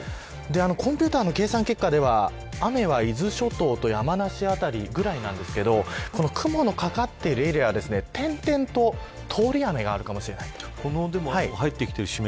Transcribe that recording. コンピューターの計算結果では雨は伊豆諸島と山梨辺りくらいなんですが雲のかかっているエリアは点々と通り雨があるかもしれないと。